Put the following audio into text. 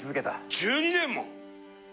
１２年も⁉